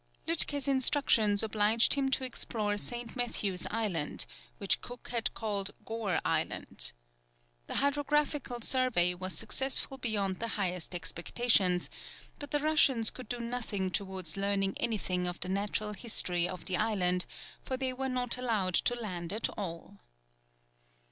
Lütke's instructions obliged him to explore St. Matthew's Island, which Cook had called Gore Island. The hydrographical survey was successful beyond the highest expectations, but the Russians could do nothing towards learning anything of the natural history of the island, for they were not allowed to land at all.